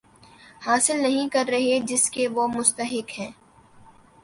حاصل نہیں کر رہے جس کے وہ مستحق ہیں